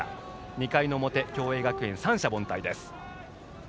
２回の表、共栄学園は三者凡退です。